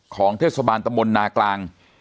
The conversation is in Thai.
ของเทศบาลตะมนนากลาง